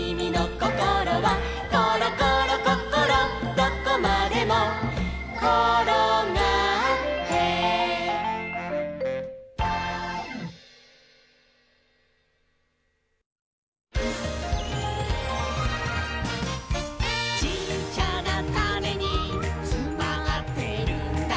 どこまでもころがって」「ちっちゃなタネにつまってるんだ」